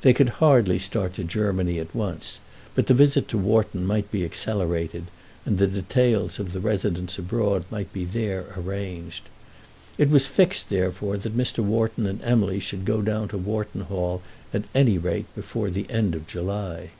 They could hardly start to Germany at once, but the visit to Wharton might be accelerated; and the details of the residence abroad might be there arranged. It was fixed, therefore, that Mr. Wharton and Emily should go down to Wharton Hall at any rate before the end of July.